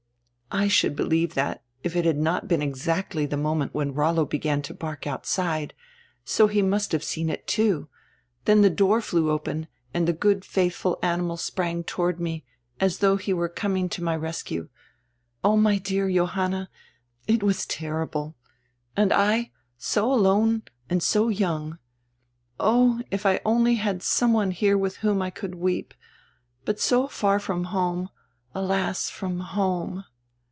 "I should believe diat, if it had not been exacdy die moment when Rollo began to bark outside. So he must have seen it too. Then die door flew open and die good faidiful animal sprang toward me, as though he were coming to my rescue. Oh, my dear Johanna, it was terrible. And I so alone and so young. Oh, if I only had some one here widi whom I could weep. But so far from home — alas, from home."